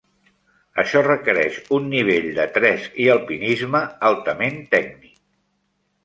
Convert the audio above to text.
Això requereix un nivell de tresc i alpinisme altament tècnic.